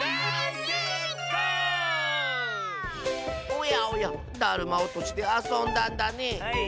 おやおやだるまおとしであそんだんだね。